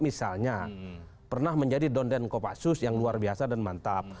misalnya pernah menjadi donden kopassus yang luar biasa dan mantap